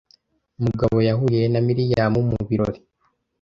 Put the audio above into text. Mugabo yahuye na Mariya mu birori